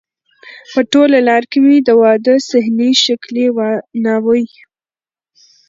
په ټوله لار کې مې د واده صحنې، ښکلې ناوې،